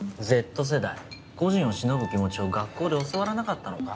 Ｚ世代故人をしのぶ気持ちを学校で教わらなかったのか？